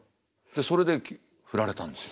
それで振られたんですよ。